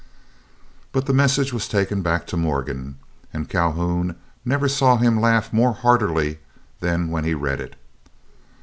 But the message was taken back to Morgan, and Calhoun never saw him laugh more heartily than when he read it.